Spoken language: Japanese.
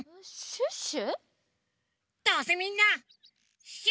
シュッシュ。